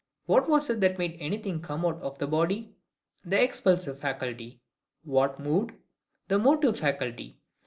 What was it that made anything come out of the body? the EXPULSIVE FACULTY. What moved? the MOTIVE FACULTY.